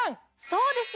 そうです！